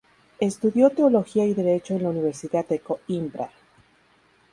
Estudió Teología y Derecho en la Universidad de Coímbra.